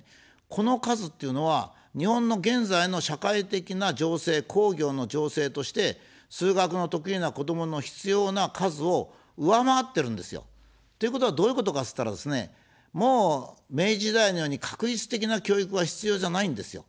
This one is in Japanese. この数っていうのは日本の現在の社会的な情勢、工業の情勢として、数学の得意な子どもの必要な数を上回ってるんですよ。ということは、どういうことかっつったらですね、もう明治時代のように画一的な教育は必要じゃないんですよ。